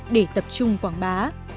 để tập trung quảng bá